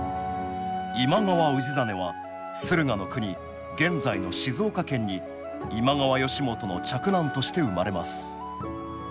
今川氏真は駿河国現在の静岡県に今川義元の嫡男として生まれます